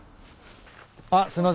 あっすいません。